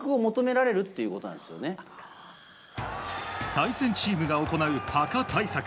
対戦チームが行うハカ対策。